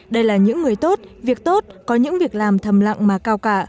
đây là những người tốt việc tốt có những việc làm thầm lặng mà cao cả